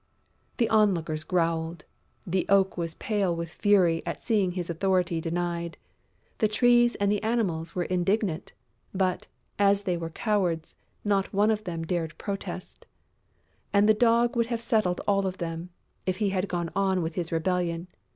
The onlookers growled; the Oak was pale with fury at seeing his authority denied; the Trees and the Animals were indignant, but, as they were cowards, not one of them dared protest; and the Dog would have settled all of them, if he had gone on with his rebellion.